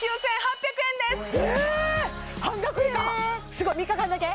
すごい３日間だけ？